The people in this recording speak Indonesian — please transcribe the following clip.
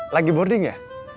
lagi boarding ya